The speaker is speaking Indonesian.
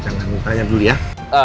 jangan tanya dulu ya